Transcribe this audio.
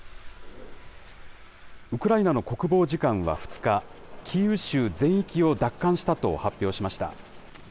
ウクライナの国防次官は２日、キーウ州全域を奪還したと発表しました。